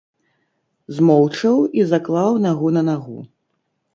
Змоўчаў і заклаў нагу на нагу.